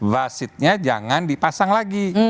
wasitnya jangan dipasang lagi